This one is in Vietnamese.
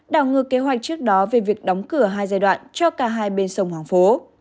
đảo ngược kế hoạch trước đó về việc đóng cửa hai giai đoạn cho cả hai bên sông hoàng phố